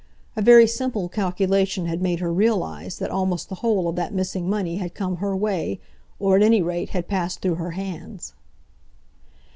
A very simple calculation had made her realise that almost the whole of that missing money had come her way, or, at any rate, had passed through her hands.